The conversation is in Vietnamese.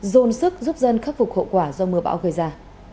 dồn sức giúp dân khắc phục hậu quả do mưa bão gây ra